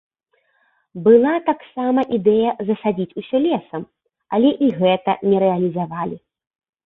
Была таксама ідэя засадзіць усё лесам, але і гэта не рэалізавалі.